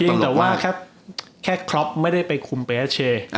เพียงแต่ว่าแค่คล็อปไม่ได้เป็นคุมเป๊ะเช